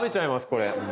これ。